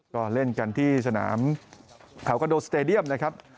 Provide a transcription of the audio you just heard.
ก็เล่นกันที่สนามเขาคอนโดสเตดียมนะครับ